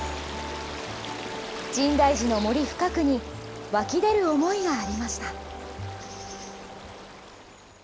深大寺の森深くに、湧き出る思いがありました。